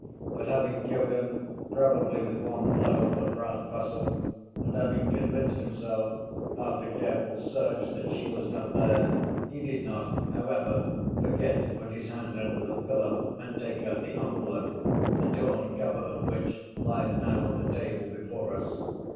But having killed him, probably with one blow of the brass pestle, and having convinced himself, after careful search, that she was not there, he did not, however, forget to put his hand under the pillow and take out the envelope, the torn cover of which lies now on the table before us.